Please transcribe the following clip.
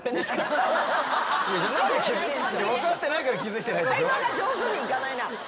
会話が上手にいかないな。